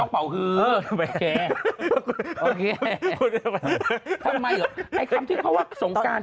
งบทั้งการ